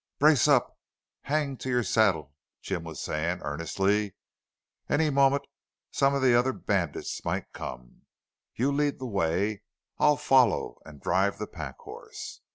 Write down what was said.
"Brace up! Hang to your saddle!" Jim was saying, earnestly. "Any moment some of the other bandits might come.... You lead the way. I'll follow and drive the pack horse."